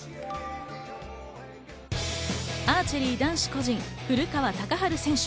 アーチェリー男子個人、古川高晴選手。